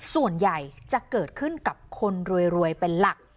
ส่วนใหญ่จะเกิดขึ้นกับคนรวยเป็นหลัก